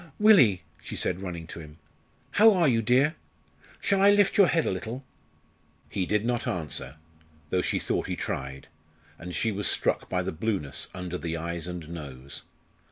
"Willie," she said, running to him, "how are you, dear? Shall I lift your head a little?" He did not answer, though she thought he tried, and she was struck by the blueness under the eyes and nose.